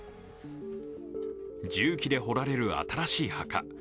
重機で掘られる新しい墓。